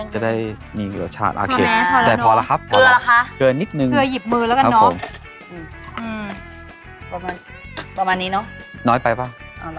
จะมีรสชาติอ่ะเกจแต่พอแล้วครับพอแล้วเท่านี้ประมาณนี้เนาะ